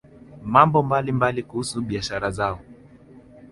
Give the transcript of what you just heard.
mambo mbalimbali kuhusu biashara zao